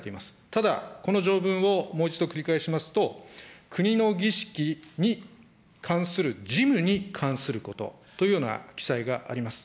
ただ、この条文をもう一度繰り返しますと、国の儀式に関する事務に関することというような記載があります。